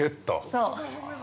◆そう。